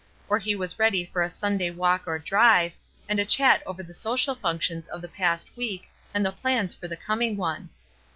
Or he was ready for a Sunday walk or drive, and a chat over the social functions of the past week and the plans for the coming one.